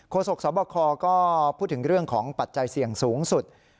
สกสบคก็พูดถึงเรื่องของปัจจัยเสี่ยงสูงสุด